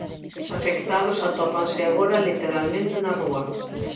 Os afectados atópanse agora literalmente na rúa.